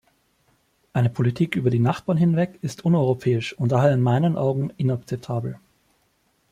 Eine Politik über die Nachbarn hinweg ist uneuropäisch und daher in meinen Augen inakzeptabel.